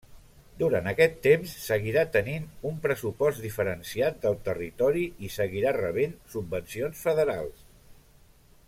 Durant aquest temps seguirà tenint un pressupost diferenciat del territori i seguirà rebent subvencions federals.